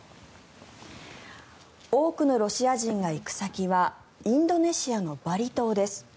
多くのロシア人が行く先はインドネシアのバリ島です。